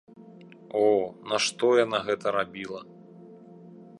О, нашто яна гэта рабіла!